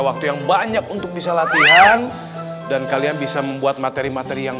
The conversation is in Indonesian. waktu yang banyak untuk bisa latihan dan kalian bisa membuat materi materi yang